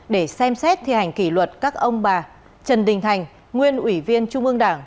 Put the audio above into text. để xem xét thi hành kỷ luật các ông bà trần đình thành nguyên ủy viên trung ương đảng